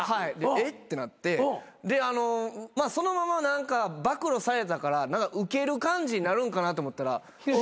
「えっ！？」ってなってそのまま何か暴露されたからウケる感じになるんかなと思ったら引いて。